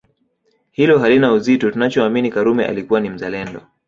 Hilo halina uzito tunachoamini Karume alikuwa ni mzalendo